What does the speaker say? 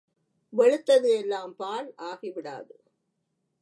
வெளுத்தது எல்லாம் பால் ஆகிவிடாது.